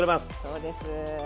そうです。